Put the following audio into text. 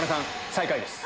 最下位です。